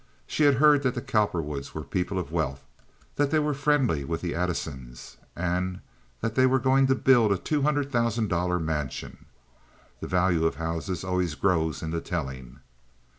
She had heard that the Cowperwoods were people of wealth, that they were friendly with the Addisons, and that they were going to build a two hundred thousand dollar mansion. (The value of houses always grows in the telling.)